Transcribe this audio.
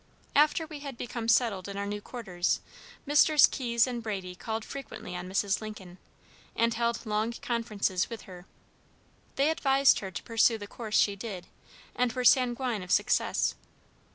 After we had become settled in our new quarters, Messrs. Keyes and Brady called frequently on Mrs. Lincoln, and held long conferences with her. They advised her to pursue the course she did, and were sanguine of success.